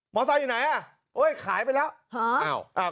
มอเตอร์ไซค์อยู่ไหนอะโอ้ยขายไปแล้ว